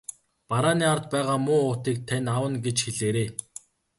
Барааны ард байгаа муу уутыг тань авна гэж хэлээрэй.